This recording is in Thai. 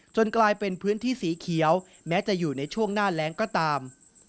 กลายเป็นพื้นที่สีเขียวแม้จะอยู่ในช่วงหน้าแรงก็ตาม